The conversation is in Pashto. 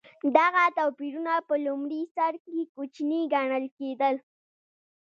دغه توپیرونه په لومړي سر کې کوچني ګڼل کېدل.